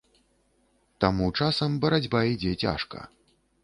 Таму часам барацьба ідзе цяжка.